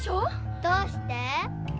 どうして？